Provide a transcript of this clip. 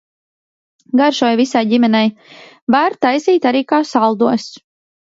Garšoja visai ģimenei. Var taisīt arī kā saldos.